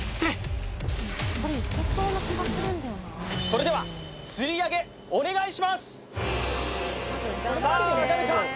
それでは吊り上げお願いしますさあ上がるか？